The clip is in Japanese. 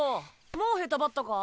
もうへたばったか